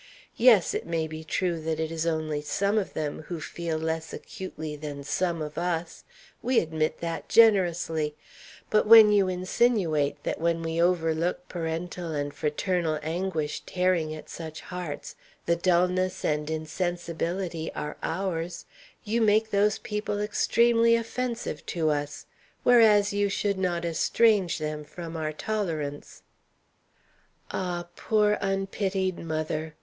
Yes, it may be true that it is only some of them who feel less acutely than some of us we admit that generously; but when you insinuate that when we overlook parental and fraternal anguish tearing at such hearts the dulness and insensibility are ours, you make those people extremely offensive to us, whereas you should not estrange them from our tolerance. Ah, poor unpitied mother!